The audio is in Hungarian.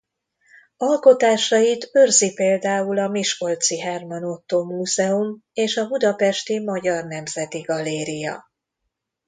Alkotásait őrzi például a miskolci Herman Ottó Múzeum és a budapesti Magyar Nemzeti Galéria.